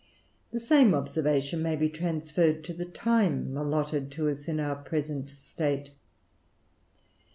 The same observation may be transferred to the time allotted us in our present state.